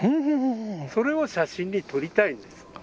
それを写真に撮りたいんです。